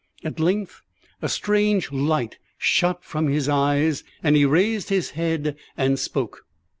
At length, a strange light shot from his eyes, and he raised his head and spoke.